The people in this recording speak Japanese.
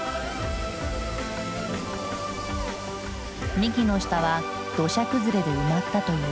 幹の下は土砂崩れで埋まったという。